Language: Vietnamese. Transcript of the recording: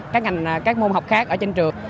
các ngành các môn học khác ở trên trường